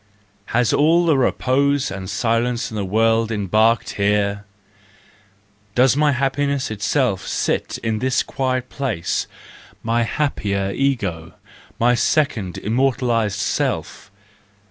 Has all the repose and silence in the world embarked here? Does my happiness itself sit in this quiet place, my happier ego, my second immortalised self?